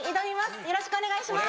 よろしくお願いします。